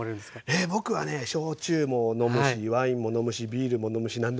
え僕はね焼酎も飲むしワインも飲むしビールも飲むし何でもいきますよ。